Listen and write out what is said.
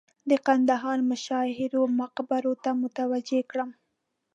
د کندهار مشاهیرو مقبرو ته متوجه کړم.